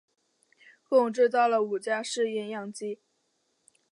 共制造了五架试验样机。